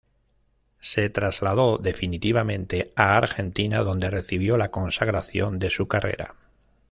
Se trasladó definitivamente a Argentina donde recibió la consagración de su carrera.